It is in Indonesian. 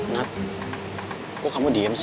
nah kok kamu diem sih